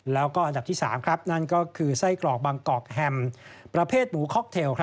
แล้วก็อันดับที่๓นั่นก็คือไส้กรอกบางกอกแฮมประเภทหมูค็อกเทล